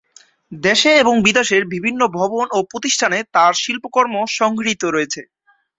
দেশে এবং বিদেশের বিভিন্ন ভবন ও প্রতিষ্ঠানে তার শিল্পকর্ম সংগৃহীত রয়েছে।